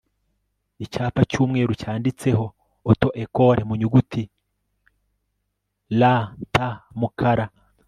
icyapa cy'umweru cyanditseho auto-ecole mu nyuguti r'tmukara